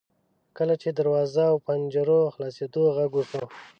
کله چې د دروازو او پنجرو د خلاصیدو غږ وشو.